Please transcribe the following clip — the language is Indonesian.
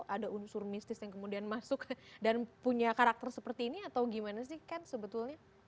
ada unsur mistis yang kemudian masuk dan punya karakter seperti ini atau gimana sih ken sebetulnya